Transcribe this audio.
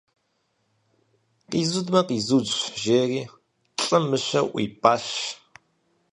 - Къизудмэ, къизудщ, - жери лӀым мыщэр ӀуипӀащ.